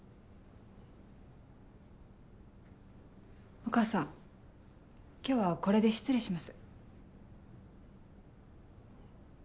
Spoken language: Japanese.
お母さん今日はこれで失礼します。